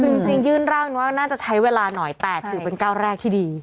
คือจริงยื่นร่างว่าน่าจะใช้เวลาหน่อยแต่ถือเป็นก้าวแรกที่ดี